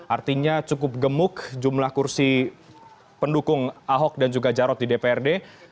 artinya cukup gemuk jumlah kursi pendukung ahok dan juga jarot di dprd